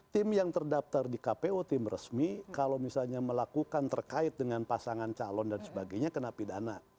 tim yang terdaftar di kpu tim resmi kalau misalnya melakukan terkait dengan pasangan calon dan sebagainya kena pidana